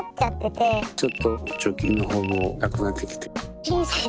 ちょっと貯金の方もなくなってきて。